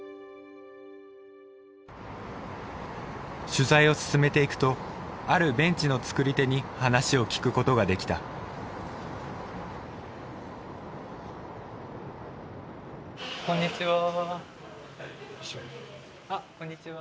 取材を進めていくとあるベンチの作り手に話を聞くことができたこんにちは。